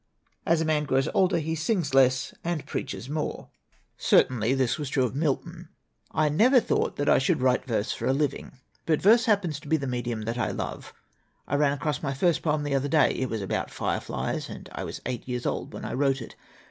As a man grows older he sings less and preaches more. Certainly this was true of Milton. "I never thought that I should write verse for a living. But verse happens to be the medium that I love. I ran across my first poem the other day it was about fireflies, and I was eight years old when I wrote it.